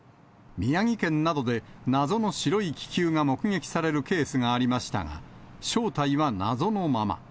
宮城県などで謎の白い気球が目撃されるケースがありましたが、正体は謎のまま。